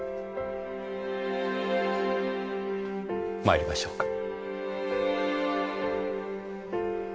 参りましょうか。